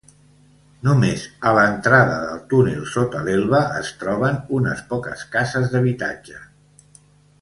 Només a l'entrada del túnel sota l'Elba es troben unes poques cases d'habitatge.